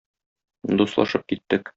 Дуслашып киттек.